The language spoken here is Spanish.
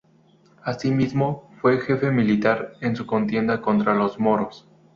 Asimismo, fue jefe militar en su contienda contra los moros.